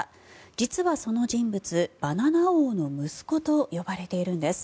実はその人物、バナナ王の息子と呼ばれているんです。